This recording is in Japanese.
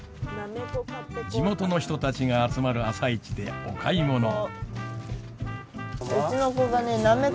地元の人たちが集まる朝市でお買い物。